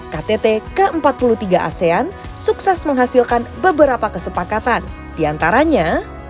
ktt ke empat puluh tiga asean sukses menghasilkan beberapa kesepakatan diantaranya